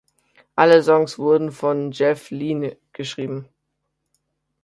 Alle Songs wurden von Jeff Lynne geschrieben.